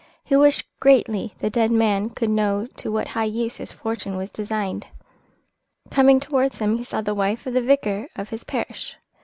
He wished greatly the dead man could know to what high use his fortune was designed. Coming towards him he saw the wife of the vicar of his parish.